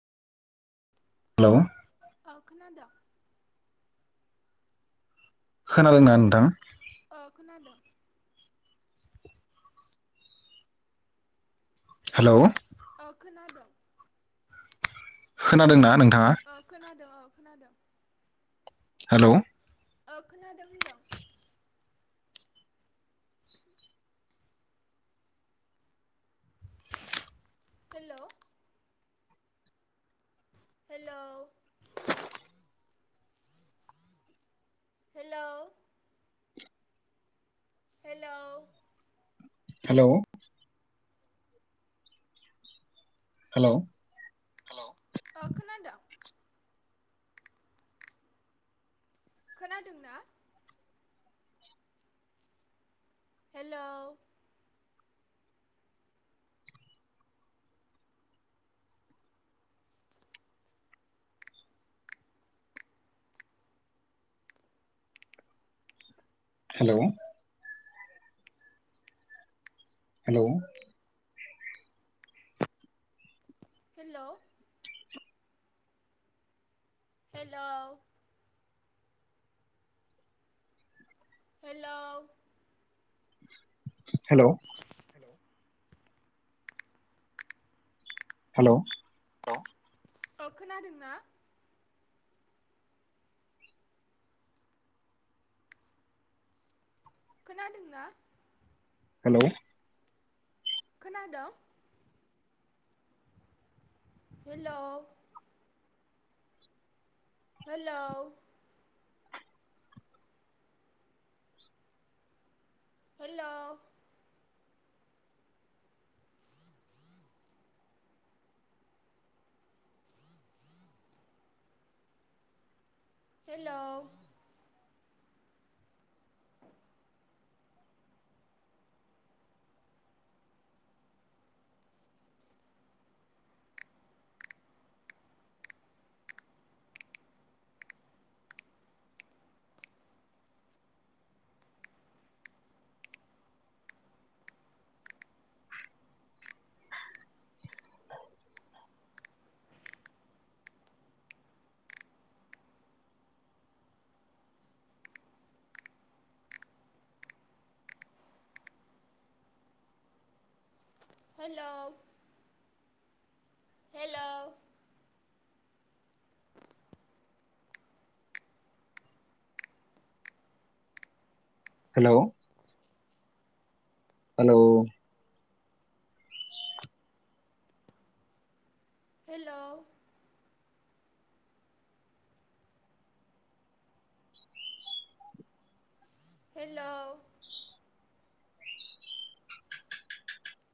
Hello ओ खोनादो खोनदों ना नोंथां? ओ खोनादों हेलौ ओ खोनादों खोनादोंना नों औ खोनादों औ खोनादो हेलौ ओ खोनादों होनदों hello hello hello hello hello hello औ खनादं खोनादोंना। Hello hello hello hello hello hello hello hello hello औ खोनादों ना? खोनादों ना? हेलौ। खोनादोंं? Hello hello hello hello hello hello hello hello hello hello